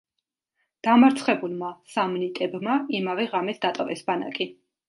დამარცხებულმა სამნიტებმა იმავე ღამეს დატოვეს ბანაკი.